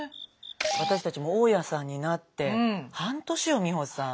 私たちも大家さんになって半年よ美穂さん。